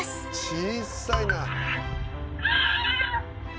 小さいな。